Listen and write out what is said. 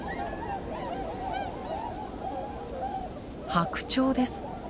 ハクチョウです。